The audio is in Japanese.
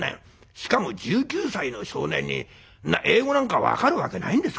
しかも１９歳の少年に英語なんか分かるわけないんですから。